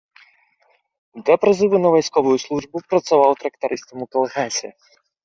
Да прызыву на вайсковую службу працаваў трактарыстам у калгасе.